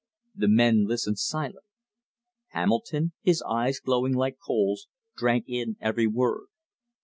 The men listened silent. Hamilton, his eyes glowing like coals, drank in every word.